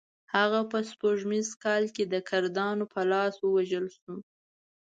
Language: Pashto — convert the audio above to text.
هغه په سپوږمیز کال کې د کردانو په لاس ووژل شو.